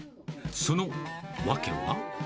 その訳は。